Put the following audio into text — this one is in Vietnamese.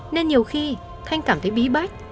nên nhiều khi thanh cảm thấy bí bách